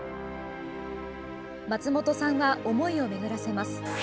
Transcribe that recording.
松本さんは思いを巡らせます。